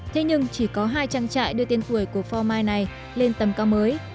thế nhưng chỉ có hai trang trại đưa tiền tuổi của phò mai này lên tầm cao mới